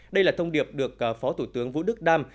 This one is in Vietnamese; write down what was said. đây là thông điệp được phó thủ tướng vũ đức đam